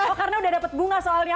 oh karena udah dapat bunga soalnya